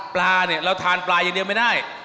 ปลาเนี่ยเราทานปลาอย่างเดียวไม่ได้